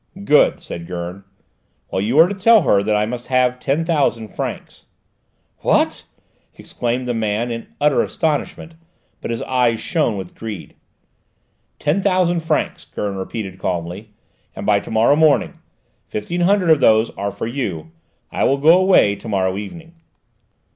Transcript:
"Good," said Gurn. "Well, you are to tell her that I must have ten thousand francs." "What?" exclaimed the man, in utter astonishment, but his eyes shone with greed. "Ten thousand francs," Gurn repeated calmly, "and by to morrow morning. Fifteen hundred of those are for you; I will go away to morrow evening."